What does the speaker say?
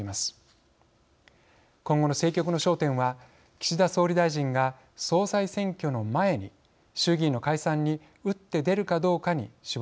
今後の政局の焦点は岸田総理大臣が総裁選挙の前に衆議院の解散に打って出るかどうかに絞られます。